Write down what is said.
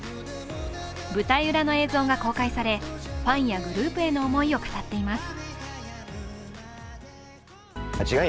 舞台裏の映像が公開されファンやグループへの思いを語っています。